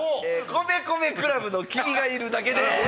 米米ＣＬＵＢの「君がいるだけで」